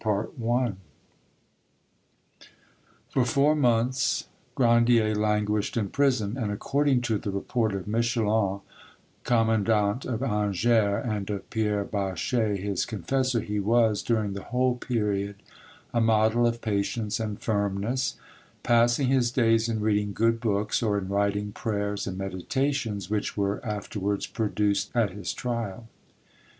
CHAPTER IX For four months Grandier languished in prison, and, according to the report of Michelon, commandant of Angers, and of Pierre Bacher, his confessor, he was, during the whole period, a model of patience and firmness, passing his days in reading good books or in writing prayers and meditations, which were afterwards produced at his trial.